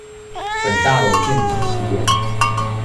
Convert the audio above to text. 本大樓禁止吸煙